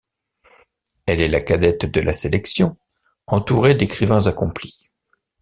Elle est la cadette de la sélection, entourée d'écrivains accomplis.